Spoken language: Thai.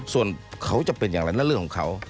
ส่วนเขาจะเป็นอย่างไรนั่นเรื่องของเขา